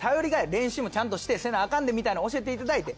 練習もちゃんとせなあかんでみたいの教えていただいて。